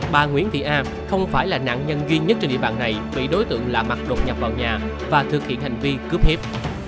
bà nguyễn thị a không phải là nạn nhân duy nhất trên địa bàn này bị đối tượng lạ mặt đột nhập vào nhà và thực hiện hành vi cướp hiếp